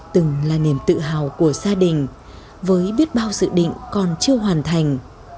từng là niềm tự hào của gia đình với biết bao dự định còn chưa hoàn thành